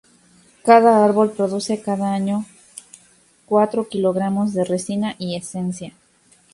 Cada árbol produce cada año cuatro kilogramos de resina y esencia.